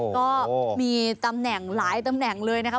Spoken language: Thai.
ก็มีตำแหน่งหลายตำแหน่งเลยนะคะ